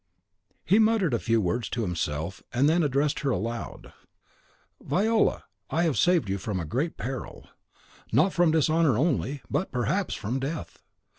He muttered a few words to himself, and then addressed her aloud. "Viola, I have saved you from a great peril; not from dishonour only, but perhaps from death.